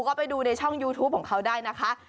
ก็ไปดูในช่องยูทูปของเขาได้นะคะ